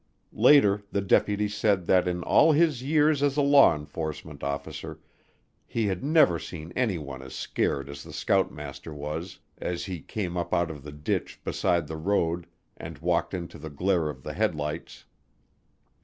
Later the deputy said that in all his years as a law enforcement officer he had never seen anyone as scared as the scoutmaster was as he came up out of the ditch beside the road and walked into the glare of the headlights.